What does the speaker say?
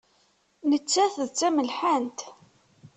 Nettat d tamelḥant.